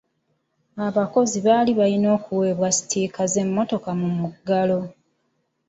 Abakozi balina okuweebwa sitiika z'emmotoka mu muggalo.